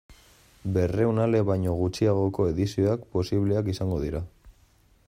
Berrehun ale baino gutxiagoko edizioak posibleak izango dira.